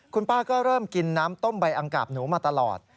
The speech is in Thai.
คุณป้าก็เริ่มกินน้ำต้มใบอังกาบหนูมาตลอด